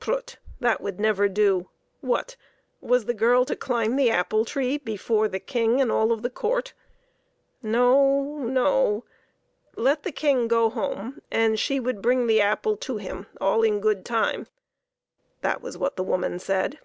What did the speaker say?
Prut! that would never do. What! was the girl to climb the apple tree before the King and all of the court ? No ! no ! Let the King go home, and she would bring the apple to him all in good time ; that was what the woman said.